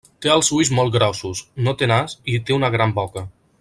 Té els ulls molts grossos, no té nas i té una gran boca.